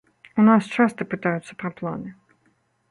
У нас часта пытаюцца пра планы.